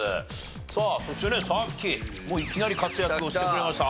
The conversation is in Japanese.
さあそしてねさっきもういきなり活躍をしてくれました